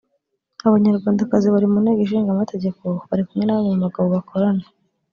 Abanyarwandakazi bari mu Nteko Ishinga Amategeko bari kumwe na bamwe mu bagabo bakorana